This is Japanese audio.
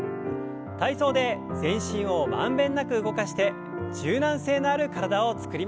体操で全身を満遍なく動かして柔軟性のある体を作りましょう。